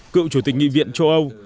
cựu chủ tịch nghị viện châu âu